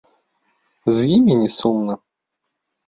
З імі не сумна.